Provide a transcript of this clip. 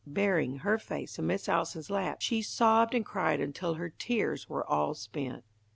Burying her face in Miss Allison's lap, she sobbed and cried until her tears were all spent.